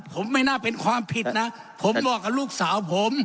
ผมไม่น่าเป็นความผิดนะผมบอกกับลูกสาวผม